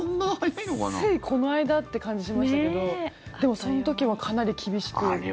ついこの間という感じがしましたけどでも、その時はかなり厳しくでしたよね。